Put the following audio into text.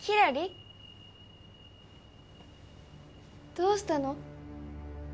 どうしたの？